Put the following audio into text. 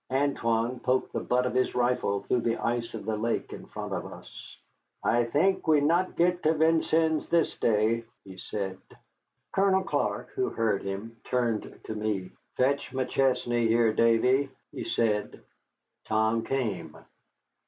Antoine poked the butt of his rifle through the ice of the lake in front of us. "I think we not get to Vincennes this day," he said. Colonel Clark, who heard him, turned to me. "Fetch McChesney here, Davy," he said. Tom came.